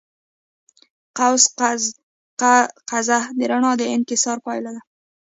قوس قزح د رڼا د انکسار پایله ده.